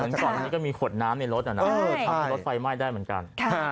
เหมือนก่อนนี้ก็มีขวดน้ำในรถน่ะรถไฟไหม้ได้เหมือนกัน